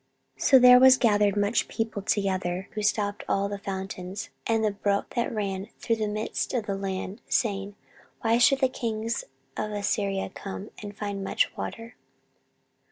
14:032:004 So there was gathered much people together, who stopped all the fountains, and the brook that ran through the midst of the land, saying, Why should the kings of Assyria come, and find much water?